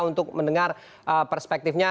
untuk mendengar perspektifnya